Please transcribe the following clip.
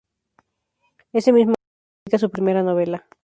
Ese mismo año publica su primera novela.